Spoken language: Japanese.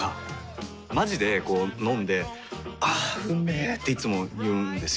まじでこう飲んで「あーうんめ」っていつも言うんですよ。